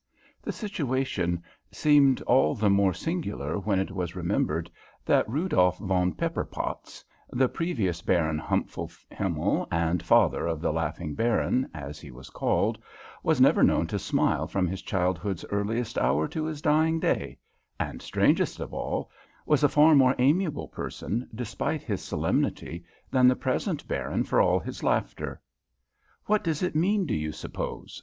The situation seemed all the more singular when it was remembered that Rudolf von Pepperpotz, the previous Baron Humpfelhimmel, and father of the Laughing Baron, as he was called, was never known to smile from his childhood's earliest hour to his dying day, and, strangest of all, was a far more amiable person, despite his solemnity, than the present Baron for all his laughter. "What does it mean, do you suppose?"